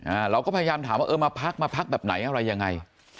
เราก็พยายามถามว่าเออมาพักมาพักแบบไหนอะไรยังไง